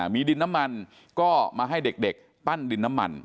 มีดินน้ำมันก็มาให้เด็กปั้นดินน้ำมัน